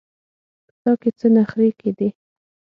په تا کې څه نخرې کېدې.